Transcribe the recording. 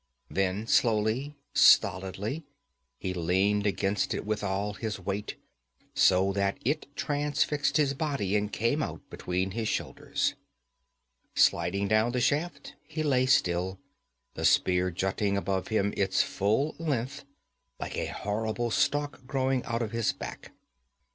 Then slowly, stolidly, he leaned against it with all his weight, so that it transfixed his body and came out between his shoulders. Sliding down the shaft he lay still, the spear jutting above him its full length, like a horrible stalk growing out of his back.